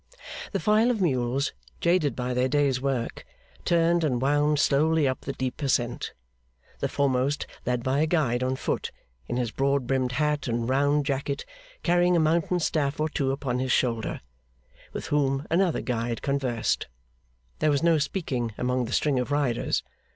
The file of mules, jaded by their day's work, turned and wound slowly up the deep ascent; the foremost led by a guide on foot, in his broad brimmed hat and round jacket, carrying a mountain staff or two upon his shoulder, with whom another guide conversed. There was no speaking among the string of riders.